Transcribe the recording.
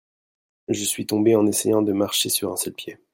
je suis tombé en essayant de marcher sur un seul pied.